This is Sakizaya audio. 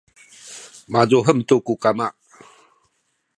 mazuhem tu ku kama